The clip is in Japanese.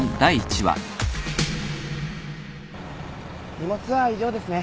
荷物は以上ですね。